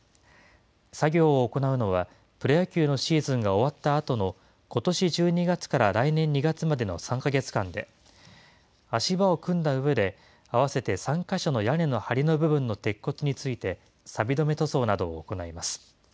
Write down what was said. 作業を行うのは、プロ野球のシーズンが終わったあとのことし１２月から来年２月までの３か月間で、足場を組んだうえで、合わせて３か所の屋根のはりの部分の鉄骨について、さび止め塗装などを行います。